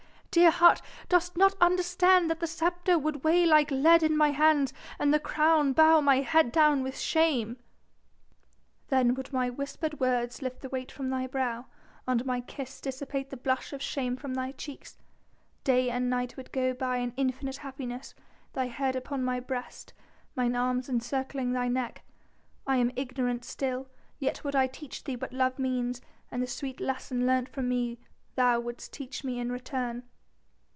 dear heart! dost not understand that the sceptre would weigh like lead in my hands and the crown bow my head down with shame?" "Then would my whispered words lift the weight from thy brow and my kiss dissipate the blush of shame from thy cheeks. Day and night would go by in infinite happiness, thy head upon my breast, mine arms encircling thy neck. I am ignorant still, yet would I teach thee what love means and the sweet lesson learnt from me thou wouldst teach me in return."